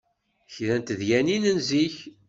Kra n tedyanin n zik